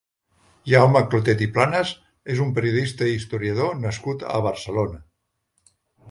Jaume Clotet i Planas és un periodista i historiador nascut a Barcelona.